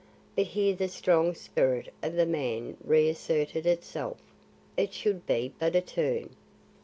But here the strong spirit of the man re asserted itself; it should be but a turn.